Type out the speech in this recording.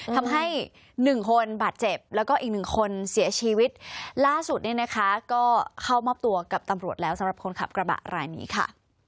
ทำให้หนึ่งคนบาดเจ็บแล้วก็อีกหนึ่งคนเสียชีวิตล่าสุดเนี่ยนะคะก็เข้ามอบตัวกับตำรวจแล้วสำหรับคนขับกระบะรายนี้ค่ะ